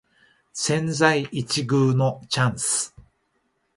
千載一遇のチャンス